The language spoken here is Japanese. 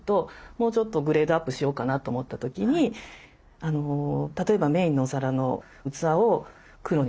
もうちょっとグレードアップしようかなと思った時に例えばメインのお皿の器を黒に替えてみようかな。